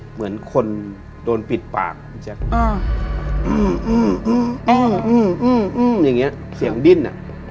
เหมือนคนโดนปิดปากอืมอืมอืมอืมอืมอืมอืมอย่างเงี้ยเสียงดิ้นอ่ะ